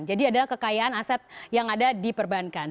jadi adalah kekayaan aset yang ada di perbankan